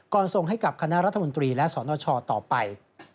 ส่งให้กับคณะรัฐมนตรีและสนชต่อไป